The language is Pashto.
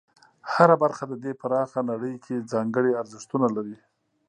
هره برخه د دې پراخه نړۍ کې ځانګړي ارزښتونه لري.